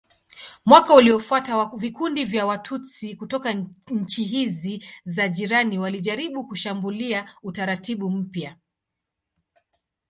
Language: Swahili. Mwaka uliofuata vikundi vya Watutsi kutoka nchi hizi za jirani walijaribu kushambulia utaratibu mpya.